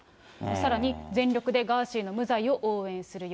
さらに全力でガーシーの無罪を応援するよ。